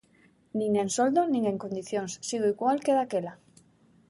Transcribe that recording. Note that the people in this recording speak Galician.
Nin en soldo, nin en condicións: sigo igual que daquela.